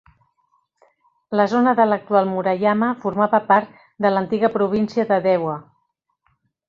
La zona de l'actual Murayama formava part de l'antiga província de Dewa.